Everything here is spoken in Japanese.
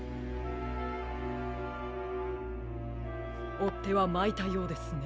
おってはまいたようですね。